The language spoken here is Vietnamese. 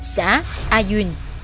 xã a duyên tỉnh gia lai